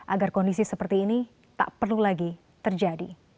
agar kondisi seperti ini tak perlu lagi terjadi